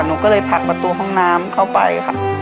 หนูก็เลยผลักประตูห้องน้ำเข้าไปค่ะ